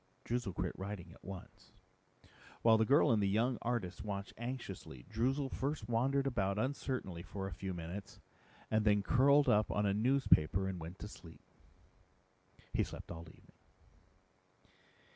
Droozle quit writing at once. While the girl and the young artist watched anxiously, Droozle first wandered about uncertainly for a few minutes and then curled up on a newspaper and went to sleep. He slept all evening.